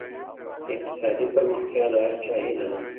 اقتصادي پرمختيا د هر چا هيله ده.